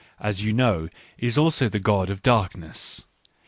as you know, is also the god of darkness.